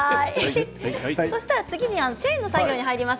次にチェーンの方に入ります。